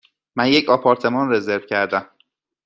من یک آپارتمان رزرو کردم.